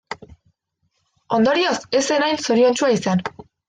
Ondorioz, ez zen hain zoriontsua izan.